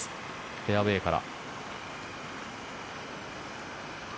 フェアウェーから。